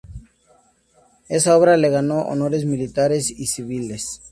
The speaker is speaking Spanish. Esa obra le ganó honores militares y civiles.